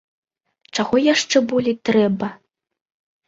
Чаго яшчэ болей трэба?